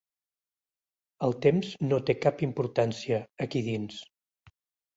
El temps no té cap importància, aquí dins.